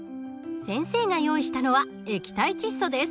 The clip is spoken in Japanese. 先生が用意したのは液体窒素です。